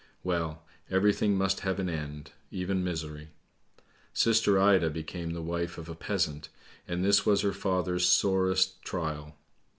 Well, everything must have an end, even misery! Sister Ida became the wife of a peasant, and this was her father's sorest trial.